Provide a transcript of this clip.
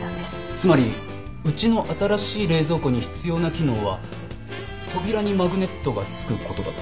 つまりうちの新しい冷蔵庫に必要な機能は扉にマグネットが付くことだと？